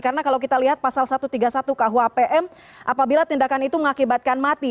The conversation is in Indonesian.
karena kalau kita lihat pasal satu ratus tiga puluh satu khu apm apabila tindakan itu mengakibatkan mati